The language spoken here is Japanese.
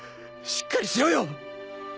しっかりしろよ！